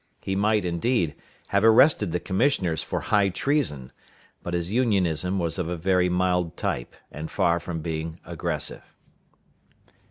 He might, indeed, have arrested the commissioners for high treason; but his Unionism was of a very mild type, and far from being aggressive.